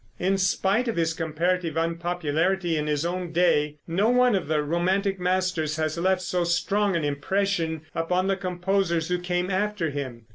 In spite of his comparative unpopularity in his own day, no one of the romantic masters has left so strong an impression upon the composers who came after him.